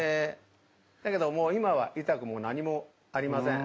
だけど今はいたくも何もありません。